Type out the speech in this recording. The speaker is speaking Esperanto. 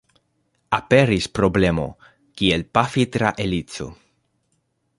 Aperis problemo, kiel pafi tra helico.